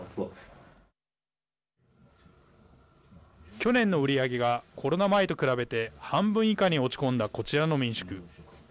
去年の売り上げがコロナ前と比べて半分以下に落ち込んだこちらの民宿。